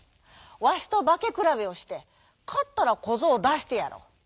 わしとばけくらべをしてかったらこぞうをだしてやろう」。